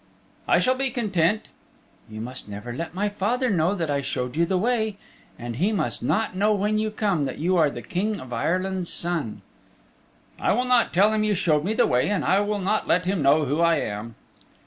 "I shall be content." "You must never let my father know that I showed you the way. And he must not know when you come that you are the King of Ireland's Son." "I will not tell him you showed me the way and I will not let him know who I am."